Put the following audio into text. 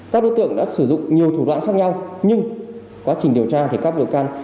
các đối tượng đã sử dụng nhiều thủ đoạn khác nhau nhưng quá trình điều tra thì các bị can